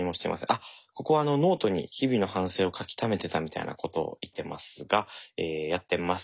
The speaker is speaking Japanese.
あっここはあのノートに日々の反省を書きためてたみたいなことを言ってますがえやってません。